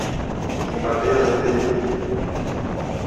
Vous m’avez réveillée…